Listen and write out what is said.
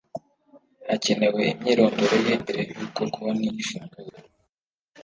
Hacyenewe imyirondoro ye mbere yuko konti ifungurwa